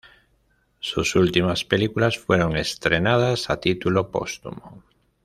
Sus últimas películas fueron estrenadas a título póstumo.